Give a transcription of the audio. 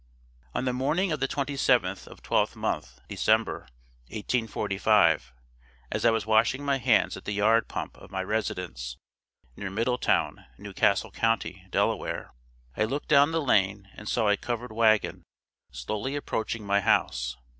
On the morning of the 27th of 12th month (December), 1845, as I was washing my hands at the yard pump of my residence, near Middletown, New Castle county, Delaware, I looked down the lane, and saw a covered wagon slowly approaching my house.